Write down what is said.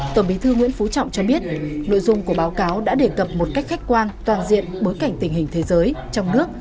tổng bí thư nguyễn phú trọng cho biết nội dung của báo cáo đã đề cập một cách khách quan toàn diện bối cảnh tình hình thế giới trong nước